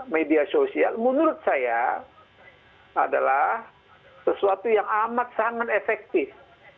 media sosial menurut saya adalah sesuatu yang amat sangat efektif